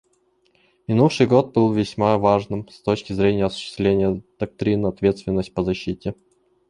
Минувший год был весьма важным с точки зрения осуществления доктрины «ответственности по защите».